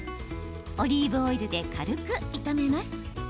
オリーブオイルで軽く炒めます。